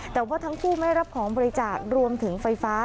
แต่ว่าทั้งคู่ไม่รับของบริจาครวมถึงไฟฟ้า